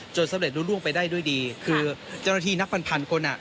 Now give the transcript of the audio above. จนสำเร็จรุ้มร่วงไปได้ด้วยดีคือจ้านวนทีนักพันธ์คน